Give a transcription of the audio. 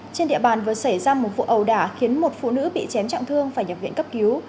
trên địa bàn vừa xảy ra một vụ ẩu đả khiến một phụ nữ bị chém trọng thương phải nhập viện cấp cứu